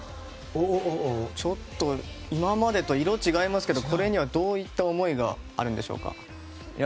今までと色違いますけどこれにはどういった思いがあるんでしょうか？